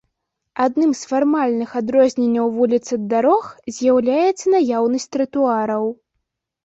Адным з фармальных адрозненняў вуліц ад дарог з'яўляецца наяўнасць тратуараў.